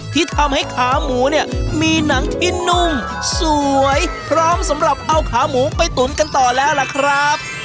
ที่ทำให้ขาหมูเนี่ยมีหนังที่นุ่มสวยพร้อมสำหรับเอาขาหมูไปตุ๋นกันต่อแล้วล่ะครับ